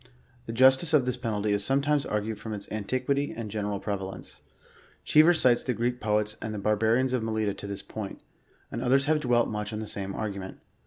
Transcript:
The justice of this penalty is sometimes argued from its anti quity and general prevalence. Cheever cites the Greek poets and the barbarians of Melita to this point, and others have dwelt much on the same argument.